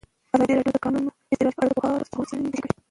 ازادي راډیو د د کانونو استخراج په اړه د پوهانو څېړنې تشریح کړې.